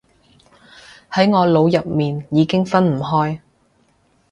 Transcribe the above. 喺我腦入面已經分唔開